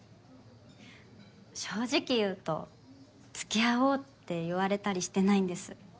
正直言うと「つきあおう」って言われたりしてないんです。